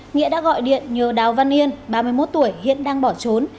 nghĩa đã gọi điện nhờ đào văn yên ba mươi một tuổi hiện đang bỏ trốn